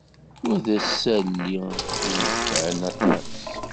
Wa d isali i inefεen aṭas.